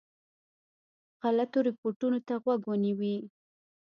غلطو رپوټونو ته غوږ ونیوی.